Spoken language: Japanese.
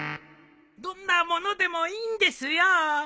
どんなものでもいいんですよ。ああ。